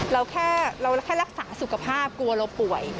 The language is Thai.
เราแค่เราแค่รักษาสุขภาพกลัวเราป่วย